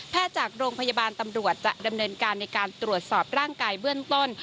จากโรงพยาบาลตำรวจจะดำเนินการในการตรวจสอบร่างกายเบื้องต้น